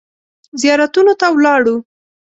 زیارتونو ته ولاړو.